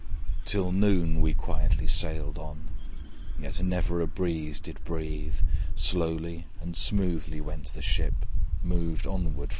Till noon we quietly sailed on, Yet never a breeze did breathe: Slowly and smoothly went the ship, Moved onward from beneath.